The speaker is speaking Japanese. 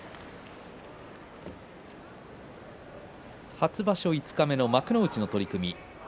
初場所五日目の幕内の取組。